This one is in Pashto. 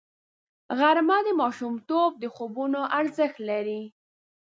غرمه د ماشومتوب د خوبونو ارزښت لري